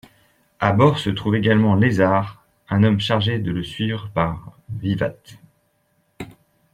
À bord se trouve également Lézard, un homme chargé de le suivre par Wiwat.